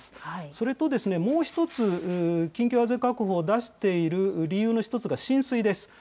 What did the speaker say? それとですね、もう１つ緊急安全確保を出している理由の一つが浸水です。